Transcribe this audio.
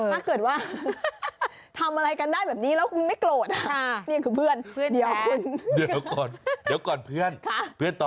ถ้าเกิดว่าทำอะไรกันได้แบบนี้แล้วคุณไม่โกรธ